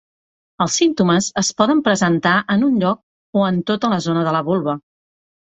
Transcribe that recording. Els símptomes es poden presentar en un lloc o en tota la zona de la vulva.